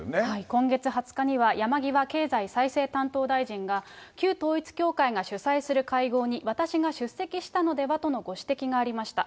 今月２０日には、山際経済再生担当大臣が、旧統一教会が主催する会合に私が出席したんではというご指摘がありました。